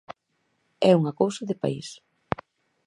É unha cousa de país.